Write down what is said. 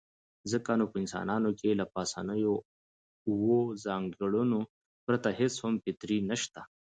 ځکه نو په انسانانو کې له پاسنيو اووو ځانګړنو پرته هېڅ هم فطري نشته.